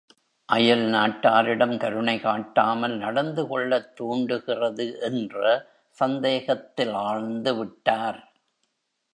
அயல், நாட்டாரிடம் கருணைகாட்டாமல் நடந்துகொள்ளத் தூண்டுகிறது என்ற சந்தேகத்திலாழ்ந்துவிட்டார்.